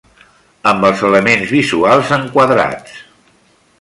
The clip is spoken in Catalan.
Amb els elements visuals enquadrats.